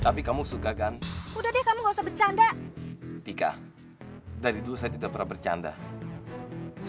tapi kamu suka gan udah deh kamu usah bercanda tiga dari dulu saya tidak pernah bercanda saya